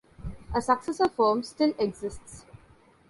A successor firm still exists.